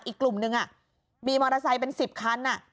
อีกกลุ่มนึงมีมอเตอร์ไซค์เป็น๑๐คัน